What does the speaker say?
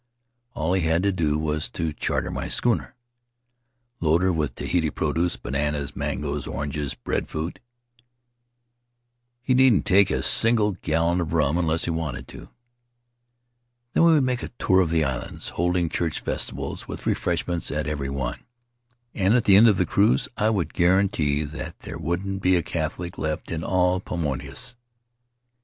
All he had to do was to charter my schooner, load her with Tahiti produce — bananas, mangoes, oranges, breadfruit; he needn't take 13 [ 181 ] Faery Lands of the South Seas a single gallon of rum unless he wanted to. Then we would make a tour of the islands, holding church festivals, with refreshments, at every one; and at the end of the cruise I would guarantee that there wouldn't be a Catholic left in all the Paumotus.